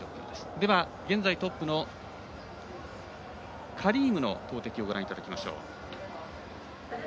では、現在トップのカリームの投てきをご覧いただきましょう。